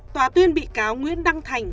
tòa tuyên bị cáo nguyễn đăng thành